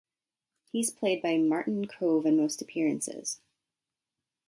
He is played by Martin Kove in most appearances.